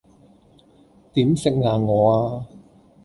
點食硬我呀?